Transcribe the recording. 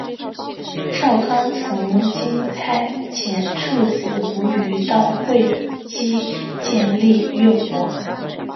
少康曾经派遣庶子无余到会稽建立越国。